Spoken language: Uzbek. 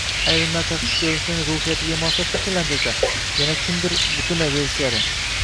Ayrimlar tashqi ko`rinishini ruhiyatiga moslab shakllantirsa, yana kimdir butunlay teskari